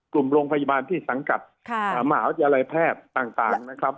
กลุ่มโรงพยาบาลที่สังกัดมหาวิทยาลัยแพทย์ต่างนะครับ